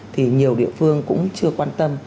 thì nhiều địa phương cũng chưa quan tâm